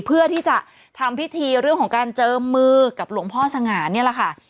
เพื่อที่จะทำพิธีเรื่องของการเจอมือกับหลวงพ่อสง่านนี่แหละค่ะ